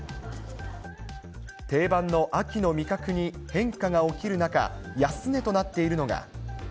定番の秋の味覚に変化が起きる中、安値となっているのが。